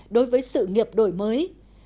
đối với sự nghiệp đổi mới